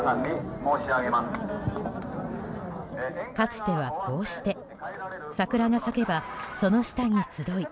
かつては、こうして桜が咲けばその下に集い